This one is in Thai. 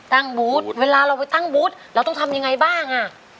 บูธเวลาเราไปตั้งบูธเราต้องทำยังไงบ้างอ่ะ